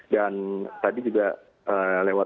dan tadi juga lewat